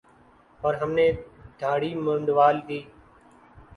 اور ہم نے دھاڑی منڈوادی ۔